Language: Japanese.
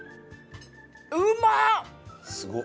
うまっ！